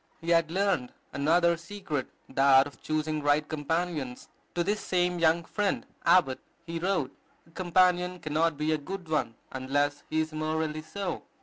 He had learned another secret, that of choosing right companions. To this same young friend, Abbott, he wrote, "A companion cannot be a good one, unless he is morally so.